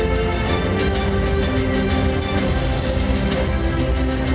ก็ไม่รู้ก็ดูกันไป